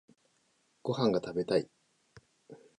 ご飯が食べたい。